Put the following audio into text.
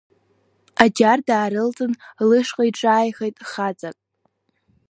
Аџьар даарылҵын лышҟа иҽааихеит хаҵак.